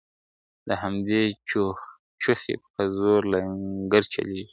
د همدې چوخې په زور لنګرچلیږي ,